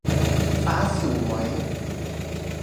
ฟ้าสวย